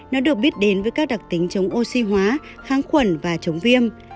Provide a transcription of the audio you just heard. nó được biết đến với các đặc tính chống oxy hóa kháng khuẩn và chống viêm